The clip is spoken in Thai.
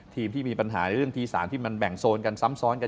ทีมที่มีปัญหาในเรื่องทีสารที่มันแบ่งโซนกันซ้ำซ้อนกัน